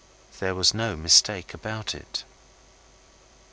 There was no mistake about it.